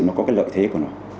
nó có cái lợi thế của nó